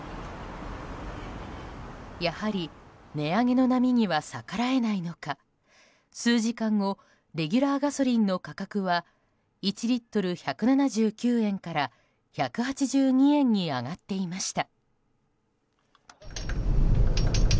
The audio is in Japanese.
やはり値上げの波には逆らえないのか数時間後レギュラーガソリンの価格は１リットル１７９円から１８２円に上がっていました。